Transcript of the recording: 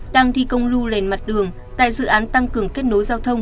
đang thi công lưu lên mặt đường tại dự án tăng cường kết nối giao thông